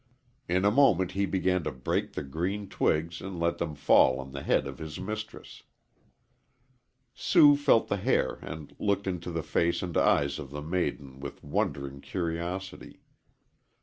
In a moment he began to break the green twigs and let them fall on the head of his mistress. Sue felt the hair and looked into the face and eyes of the maiden with wondering curiosity.